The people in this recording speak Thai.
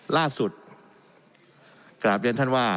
ล่าสุดกราบเรียนท่านว่า